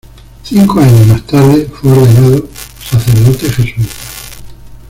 Cinco años más tarde fue ordenado sacerdote jesuita.